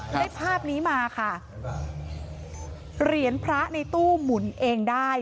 ได้ภาพนี้มาค่ะเหรียญพระในตู้หมุนเองได้